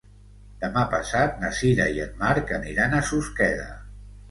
Demà passat na Sira i en Marc aniran a Susqueda.